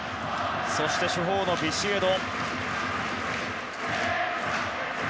そして、主砲のビシエド。